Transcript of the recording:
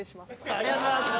ありがとうございます。